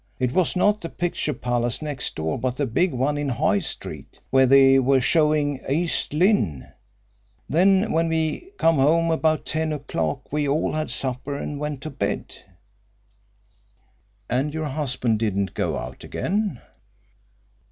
It was not the picture palace next door, but the big one in High Street, where they were showing 'East Lynne,' Then when we come home about ten o'clock we all had supper and went to bed." "And your husband didn't go out again?"